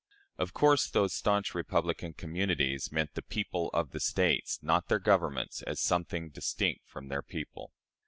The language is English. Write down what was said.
Of course, those stanch republican communities meant the people of the States not their governments, as something distinct from their people.